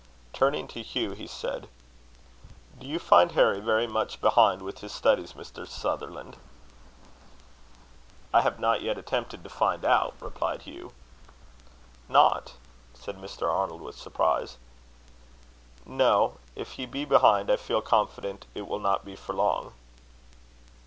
Turning to Hugh he said: "Do you find Harry very much behind with his studies, Mr. Sutherland?" "I have not yet attempted to find out," replied Hugh. "Not?" said Mr. Arnold, with surprise. "No. If he be behind, I feel confident it will not be for long."